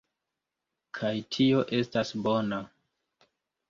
kaj tio estas bona.